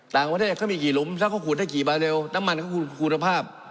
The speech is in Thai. ต่างประเทศก็มีกี่ลุ้มแล้วเขาขุนได้กี่บาทเร็วน้ำมันก็คุณภาพ